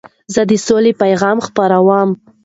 زه د سولي پیغام خپروم.